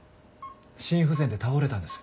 心不全で倒れたんです。